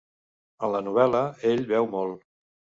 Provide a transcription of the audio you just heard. En la novel·la ell beu molt.